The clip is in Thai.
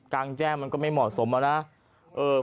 กลางแจ้งมันก็ไม่เหมาะสมอะนะ